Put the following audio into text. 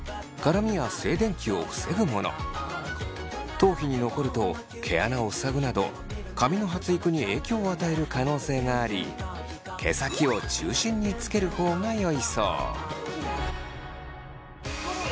頭皮に残ると毛穴を塞ぐなど髪の発育に影響を与える可能性があり毛先を中心につける方がよいそう。